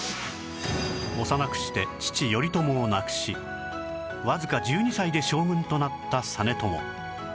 幼くして父頼朝を亡くしわずか１２歳で将軍となった実朝